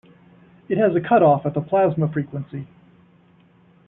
It has a cut-off at the plasma frequency.